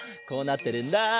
こうなってるんだ。